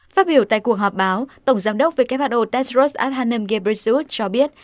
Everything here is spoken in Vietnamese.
phát biểu tại cuộc họp báo tổng giám đốc who tedros adhanom ghebreyesus cho biết